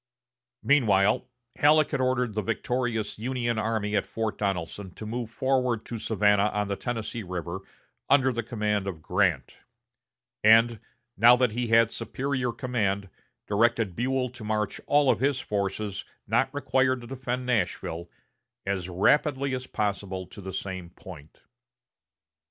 Meanwhile, Halleck had ordered the victorious Union army at Fort Donelson to move forward to Savannah on the Tennessee River under the command of Grant; and, now that he had superior command, directed Buell to march all of his forces not required to defend Nashville "as rapidly as possible" to the same point.